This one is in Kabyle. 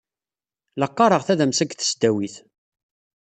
La qqareɣ tadamsa deg tesdawit.